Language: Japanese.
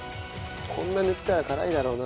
こんなに塗ったら辛いだろうな。